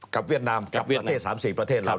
กับเวียดนามกับประเทศ๓๔ประเทศ